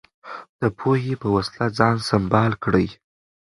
د پوهې په وسله ځان سمبال کړئ.